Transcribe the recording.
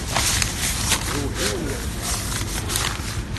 Shewhiwen yeqjan.